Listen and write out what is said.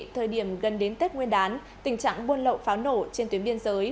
thời điểm gần đến tết nguyên đán tình trạng buôn lậu pháo nổ trên tuyến biên giới